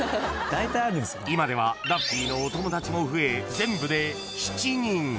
［今ではダッフィーのお友達も増え全部で］